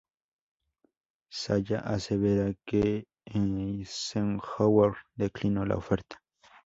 Salla asevera que Eisenhower declinó la oferta.